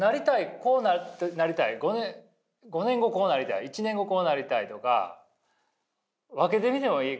こうなりたい５年後こうなりたい１年後こうなりたいとか分けてみてもいいかもね。